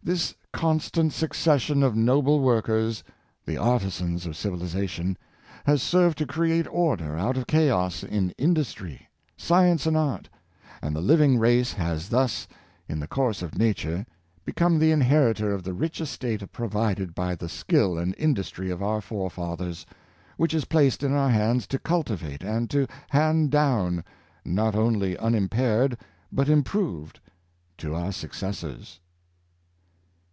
This con 170 y antes Watt, stant succession of noble workers — the artisans of civi lization— has served to create order out of chaos in in dustry, science and art, and the living race has thus, in the course of nature, become the inheritor of the rich estate provided by the skill and industry of our fore fathers, which is placed in our hands to cultivate and to hand down, not only unimpaired but improved, to our successors.